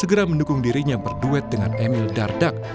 segera mendukung dirinya berduet dengan emil dardak